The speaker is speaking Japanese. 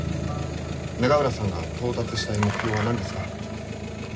永浦さんが到達したい目標は何ですか？